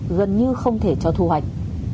gần như không thể cho thu hoạch